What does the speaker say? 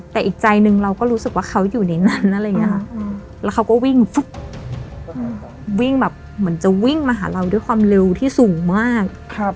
แต่อีกใจหนึ่งเราก็รู้สึกว่าเขาอยู่ในนั้นอะไรอย่างนี้ค่ะแล้วเขาก็วิ่งวิ่งแบบเหมือนจะวิ่งมาหาเราด้วยความเร็วที่สูงมาก